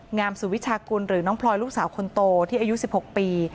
งามสุวิชากุลหรือน้องพลอยลูกสาวคนโตที่อายุ๑๖ปี